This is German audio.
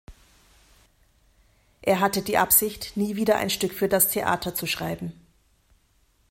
Er hatte die Absicht, nie wieder ein Stück für das Theater zu schreiben.